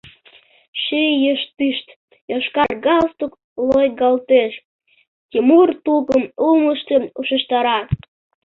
Шӱйыштышт йошкар галстук лойгалтеш, тимур тукым улмыштым ушештара.